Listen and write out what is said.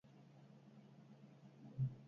Maila sozial baxuenean esklaboak daude.